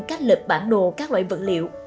cách lật bản đồ các loại vật liệu